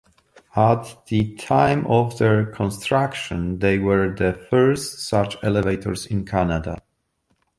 At the time of their construction they were the first such elevators in Canada.